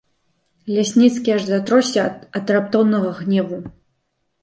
Лясніцкі аж затросся ад раптоўнага гневу.